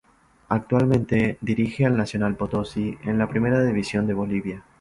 Actualmente dirige al Nacional Potosí de la Primera División de Bolivia.